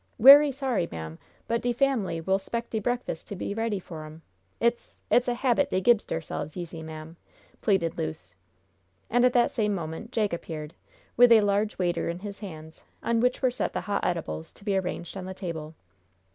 "Werry sorry, ma'am, but de family will 'spect de breakfas' to be ready for 'em. It's it's a habit dey gibs deirselbes, yer see, ma'am," pleaded Luce. And at the same moment Jake appeared, with a large waiter in his hands, on which were set the hot edibles to be arranged on the table.